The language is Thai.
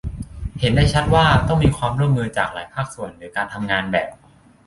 เห็นได้ชัดว่าต้องมีความร่วมมือจากหลายภาคส่วนหรือการทำงานแบบ